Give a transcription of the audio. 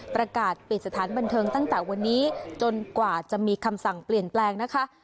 ประกาศปิดสถานบันเทิงตั้งแต่วันนี้จนกว่าจะมีคำสั่งเปลี่ยนแปลงนะคะ